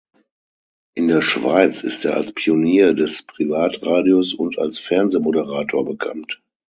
In der Schweiz ist er als Pionier des Privatradios und als Fernsehmoderator bekannt.